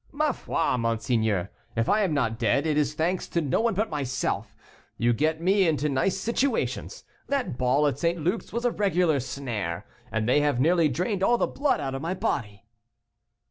"Ma foi, monseigneur, if I am not dead, it is thanks to no one but myself. You get me into nice situations; that ball at St. Luc's was a regular snare, and they have nearly drained all the blood out of my body."